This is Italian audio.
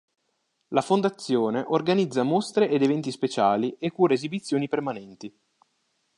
La Fondazione organizza mostre ed eventi speciali e cura esibizioni permanenti.